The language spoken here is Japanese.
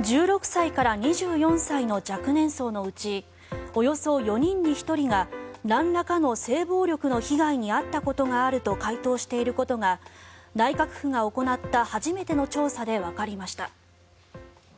１６歳から２４歳の若年層のうちおよそ４人に１人がなんらかの性暴力の被害に遭ったことがあると回答していることが内閣府が行った初めての調査でわかりました。